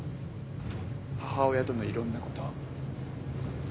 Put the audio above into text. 母親とのいろんなことを。